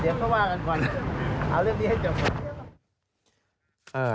เดี๋ยวก็ว่ากันก่อนเอาเรื่องนี้ให้จบก่อน